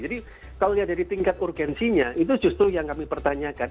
kalau lihat dari tingkat urgensinya itu justru yang kami pertanyakan